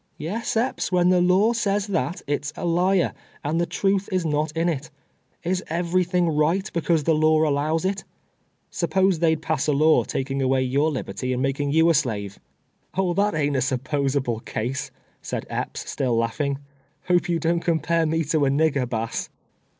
Yes, Epps, when the law says that it's a liar^ and the truth is not in it. Is every thing right be cause the law allows it ? Suppose they'd pass a law taking away your liberty and making you a slave?" " Oh, that ain't a supj^osable case," said Epps, still laughing ;" hope you dou't compare me to a nigger, Bass."